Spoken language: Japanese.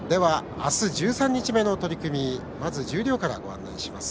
十三日目の取組まず十両からご案内します。